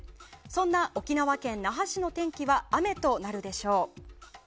そんな沖縄県那覇市の天気は雨となるでしょう。